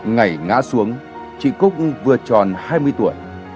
ngày ngã xuống chị cúc vừa tròn hai mươi tuổi